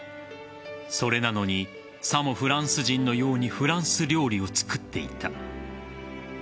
それなのにさもフランス人のようにフランス料理を作っていた。